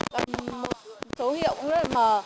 còn một số hiệu cũng rất là mờ